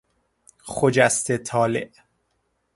خجسته طالع